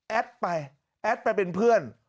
ไปแอดไปเป็นเพื่อน